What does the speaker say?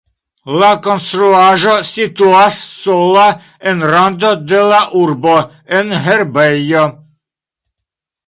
La konstruaĵo situas sola en rando de la urbo en herbejo.